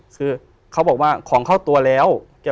คือเขาบอกว่าของเข้าตัวแล้ว